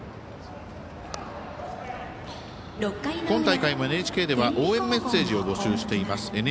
今大会もＮＨＫでは応援メッセージを募集しています。